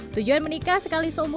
tujuan menikah sekali seumur